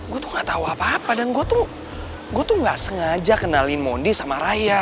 gue tuh gak tau apa apa dan gue tuh gak sengaja kenali mondi sama raya